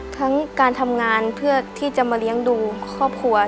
ทั้งการทำงานเพื่อที่จะมาเลี้ยงดูครอบครัว